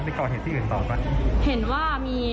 กรณาประมาณ๕ถี๑๐นาที